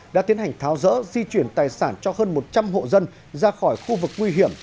đã tiến hành tháo rỡ di chuyển tài sản cho hơn một trăm linh hộ dân ra khỏi khu vực nguy hiểm